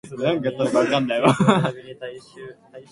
Pronotum glabrous.